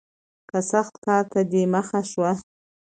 که سخت کار ته دې مخه شوه